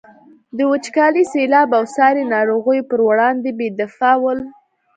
د وچکالي، سیلاب او ساري ناروغیو پر وړاندې بې دفاع ول.